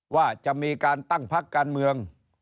ว่าจะมีการตั้งพักการเมือง